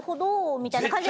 みたいな感じで。